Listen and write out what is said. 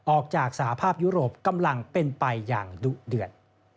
ออกจากสหภาพยุโรปกำลังเป็นไปอย่างดุเดือด